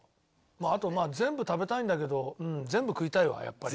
あとまあ全部食べたいんだけど全部食いたいわやっぱり。